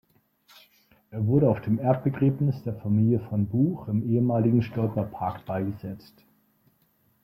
Er wurde auf dem Erbbegräbnis der Familie von Buch im ehemaligen Stolper Park beigesetzt.